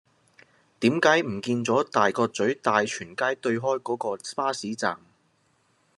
點解唔見左大角咀大全街對開嗰個巴士站